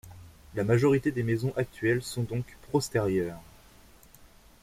La majorité des maisons actuelles sont donc postérieures.